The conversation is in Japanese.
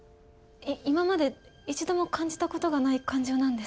今まで一度も感じたことがない感情なんです。